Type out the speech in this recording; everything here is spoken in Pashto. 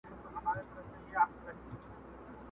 د چینار سر ته یې ورسیږي غاړه.!